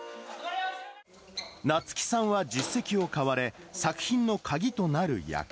なつきさんは実績を買われ、作品の鍵となる役。